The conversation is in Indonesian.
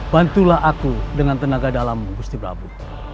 bantulah aku dengan tenaga dalam gusti prabu